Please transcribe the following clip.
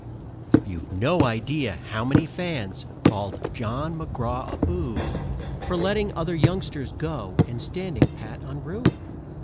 You've no idea how many fans called John McGraw a boob For letting other youngsters go and standing pat on "Rube."